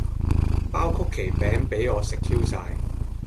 包曲奇餅比我食 Q 曬